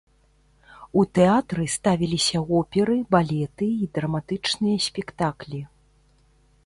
У тэатры ставіліся оперы, балеты і драматычныя спектаклі.